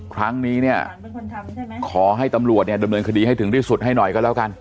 ครั้งนี้เนี่ยขอให้ตำรวจเนี่ยดำเนินคดีให้ถึงที่สุดให้หน่อยก็แล้วกัน